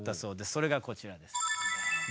それがこちらです。